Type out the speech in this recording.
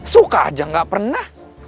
suka aja gak pernah